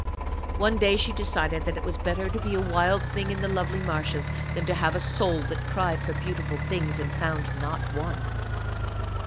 One day she decided that it was better to be a wild thing in the lovely marshes, than to have a soul that cried for beautiful things and found not one.